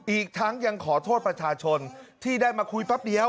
อีกทั้งยังขอโทษประชาชนที่ได้มาคุยแป๊บเดียว